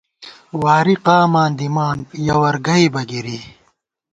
وارِی قاماں دِمان ، یہ وَر گئیبہ گِری